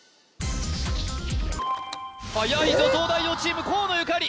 はやいぞ東大王チーム河野ゆかり